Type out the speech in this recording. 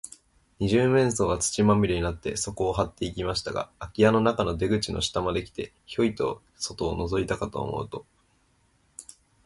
二十面相は、土まみれになって、そこをはっていきましたが、あき家の中の出口の下まで来て、ヒョイと外をのぞいたかと思うと、